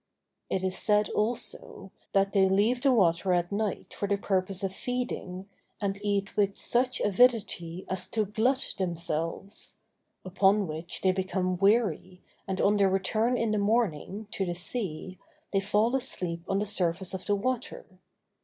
It is said also, that they leave the water at night for the purpose of feeding, and eat with such avidity as to glut themselves: upon which, they become weary, and on their return in the morning, to the sea, they fall asleep on the surface of the water.